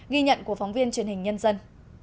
ghi nhận của phóng viên truyền hình nhân dân